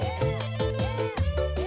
aku mobil sedang